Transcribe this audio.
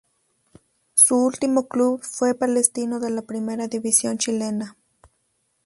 Su último club fue Palestino de la primera División chilena.